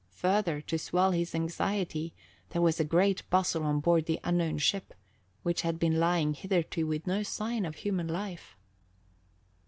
Further, to swell his anxiety, there was a great bustle on board the unknown ship, which had been lying hitherto with no sign of human life.